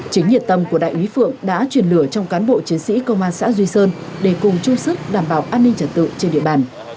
chính nhiệt tâm của đại úy phượng đã truyền lửa trong cán bộ chiến sĩ công an xã duy sơn để cùng chung sức đảm bảo an ninh trật tự trên địa bàn